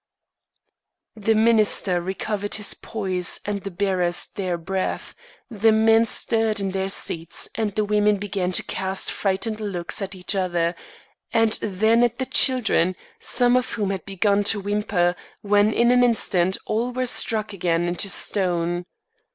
The minister recovered his poise and the bearers their breath; the men stirred in their seats and the women began to cast frightened looks at each other, and then at the children, some of whom had begun to whimper, when in an instant all were struck again into stone.